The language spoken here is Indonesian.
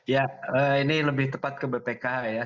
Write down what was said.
ya ini lebih tepat ke bpk ya